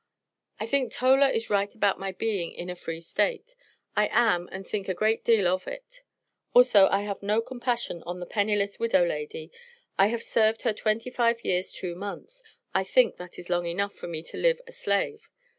I think Tolar is right About my being in A free State, I am and think A great del of it. Also I have no compassion on the penniless widow lady, I have Served her 25 yers 2 months, I think that is long Enough for me to live A Slave.